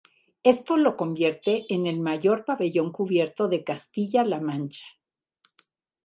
Esto lo convierte en el mayor pabellón cubierto de Castilla-La Mancha.